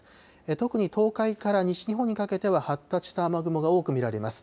特に東海から西日本にかけては、発達した雨雲が多く見られます。